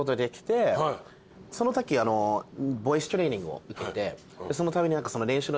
そのときボイストレーニングを受けて。